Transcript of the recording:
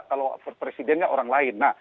kalau presidennya orang lain